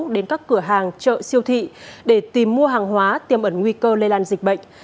đến các cửa hàng chợ siêu thị để tìm mua hàng hóa tiêm ẩn nguy cơ lây lan dịch bệnh